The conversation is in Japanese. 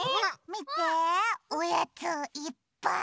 みておやついっぱい！